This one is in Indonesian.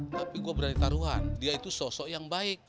tapi gue berani taruhan dia itu sosok yang baik